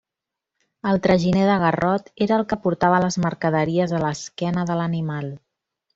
El traginer de garrot era el que portava les mercaderies a l'esquena de l'animal.